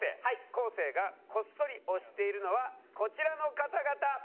昴生がこっそり推しているのはこちらの方々。